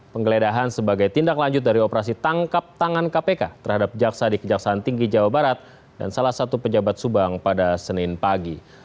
penggeledahan sebagai tindak lanjut dari operasi tangkap tangan kpk terhadap jaksa di kejaksaan tinggi jawa barat dan salah satu pejabat subang pada senin pagi